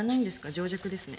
情弱ですね。